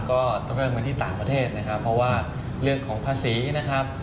ก็ต้องเริ่มกันที่ต่างประเทศนะครับเพราะว่าเรื่องของภาษีนะครับ